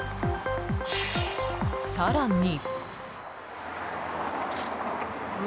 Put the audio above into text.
更に。